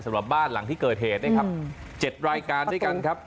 สำหรับบ้านหลังที่เกิดเหตุนะครับ๗รายการด้วยกันครับ